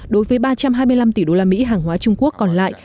đối với ba trăm hai mươi năm tỷ đô la mỹ hàng hóa trung quốc còn lại